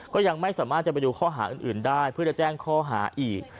ก็ยังไม่สามารถจะไปดูข้อหาอื่นได้เพื่อจะแจ้งข้อหาอีก